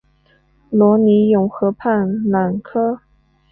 罗尼永河畔朗科。